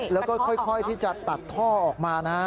แล้วก็ค่อยที่จะตัดท่อออกมานะฮะ